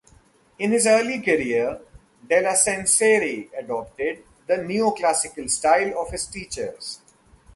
In his early career Delacenserie adopted the Neo-Classical style of his teachers.